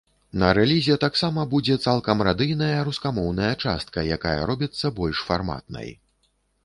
На рэлізе таксама будзе цалкам радыйная рускамоўная частка, якая робіцца больш фарматнай.